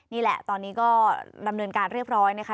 นี่แหละตอนนี้ก็ดำเนินการเรียบร้อยนะคะ